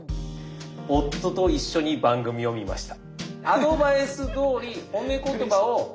「夫と一緒に番組を見ました」。